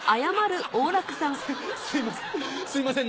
すいません